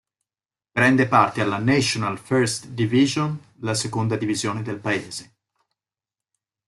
Prende parte alla National First Division, la seconda divisione del paese.